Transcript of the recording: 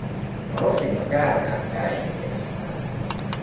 Rosina käännähtää ihmeissään.